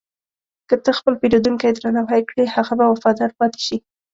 که ته خپل پیرودونکی درناوی کړې، هغه به وفادار پاتې شي.